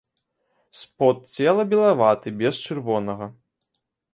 Спод цела белаваты, без чырвонага.